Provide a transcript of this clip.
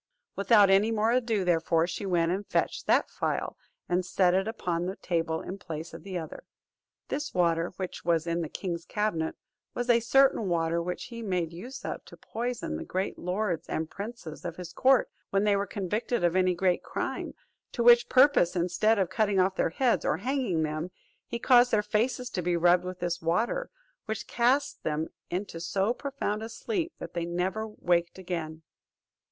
Without any more ado, therefore, she went and fetched that phial, and set it upon the table in place of the other. This water which was in the king's cabinet, was a certain water which he made use of to poison the great lords and princes of his court when they were convicted of any great crime; to which purpose, instead of cutting off their heads, or hanging them, he caused their faces to be rubbed with this water, which cast them into so profound a sleep that they never waked again.